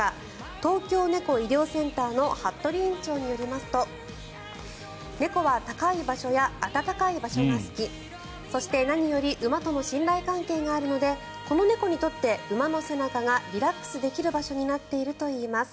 東京猫医療センターの服部院長によりますと猫は高い場所や温かい場所が好きそして何より馬との信頼関係があるのでこの猫にとって馬の背中がリラックスできる場所になっているといいます。